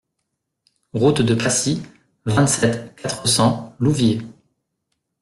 Route de Pacy, vingt-sept, quatre cents Louviers